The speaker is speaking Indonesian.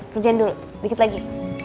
kerjaan dulu dikit lagi